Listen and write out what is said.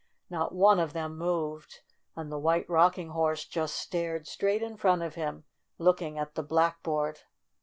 Not one of them moved, and the White Rocking Horse just stared straight in front of him, looking at the blackboard.